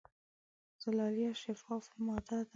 زلالیه شفافه ماده ده.